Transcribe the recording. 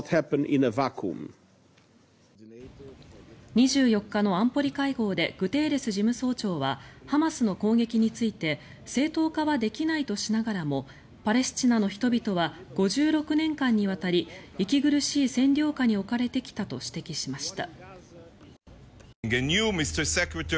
２４日の安保理会合でグテーレス事務総長はハマスの攻撃について正当化はできないとしながらもパレスチナの人々は５６年間にわたり息苦しい占領下に置かれてきたと指摘しました。